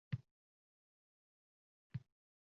Zaryadlash